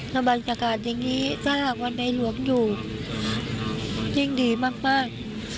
ที่บรรยากาศศิษย์อย่างนี้อยู่ในหลวงอย่างดีมาก